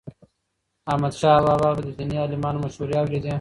احمدشاه بابا به د دیني عالمانو مشورې اوريدي.